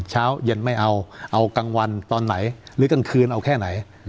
เช้าเย็นไม่เอาเอากลางวันตอนไหนหรือกลางคืนเอาแค่ไหน